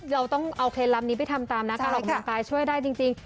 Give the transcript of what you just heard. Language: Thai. เราต้องเอาเคล็ดลับนี้ไปทำตามนะการออกกำลังกายช่วยได้จริง